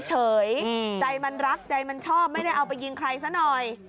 ใจมันรักใจมันชอบไม่ได้เอาไปยิงใครซะหน่อย